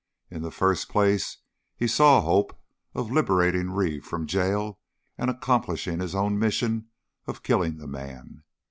In the first place he saw a hope of liberating Reeve from jail and accomplishing his own mission of killing the man.